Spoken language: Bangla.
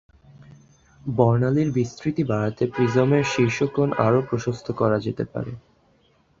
বর্ণালীর বিস্তৃতি বাড়াতে প্রিজমের শীর্ষ কোণ আরও প্রশস্ত করা যেতে পারে।